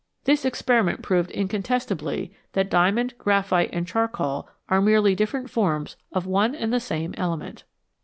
This experiment proved incontestably that diamond, graphite, and charcoal are merely different forms of one and the same element.